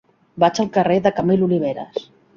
Vaig al carrer de Camil Oliveras.